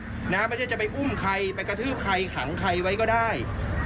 สิ่งที่เกิดมีที่จะกระทืบใครขังใครไว้ก็ได้